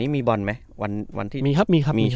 มีวันไหม